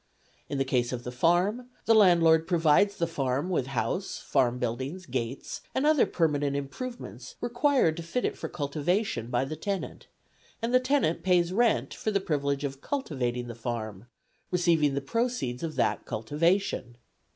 In the case of the farm, the landlord provides the farm with house, farm buildings, gates, and other permanent improvements required to fit it for cultivation by the tenant, and the tenant pays rent for the privilege of cultivating the farm, receiving the proceeds of that cultivation.